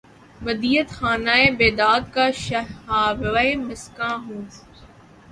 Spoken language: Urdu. ودیعت خانۂ بیدادِ کاوشہائے مژگاں ہوں